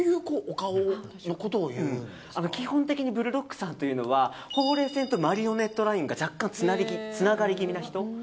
基本的にブルドッグさんというのはほうれい線とマリオネットラインがつながり気味な人。